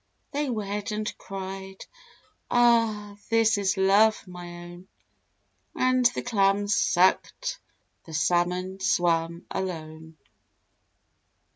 They wed, and cried, "Ah, this is Love, my own!" And the Clam sucked, the Salmon swam, alone.